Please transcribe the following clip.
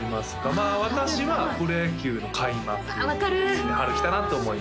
まあ私はプロ野球の開幕ですね春来たなって思いますよ